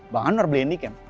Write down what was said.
bang anwar beli handycam